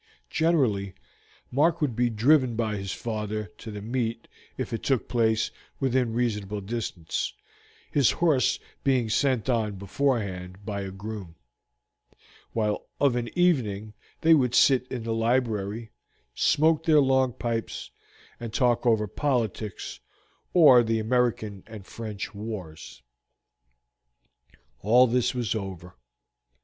Generally Mark would be driven by his father to the meet if it took place within reasonable distance, his horse being sent on beforehand by a groom, while of an evening they would sit in the library, smoke their long pipes, and talk over politics or the American and French wars. All this was over.